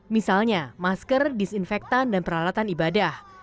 misalnya masker disinfektan dan peralatan ibadah